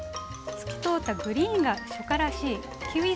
透き通ったグリーンが初夏らしいキウイソース。